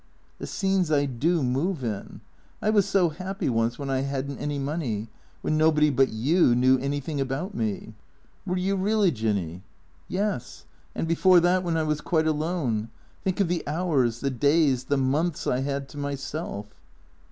" The scenes I do move in ! I was so happy once, when I had n't any money, when nobody but you knew anything about me." " Were you really. Jinny ?" "Yes. And before that, when I was quite alone. Think of the hours, the days, the months I had to myself."